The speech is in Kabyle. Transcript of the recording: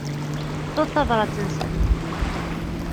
Teṭṭfeḍ-d tabrat-nsen.